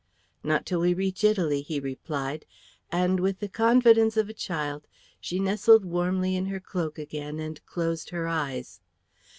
"Not till we reach Italy," he replied; and with the confidence of a child she nestled warmly in her cloak again and closed her eyes.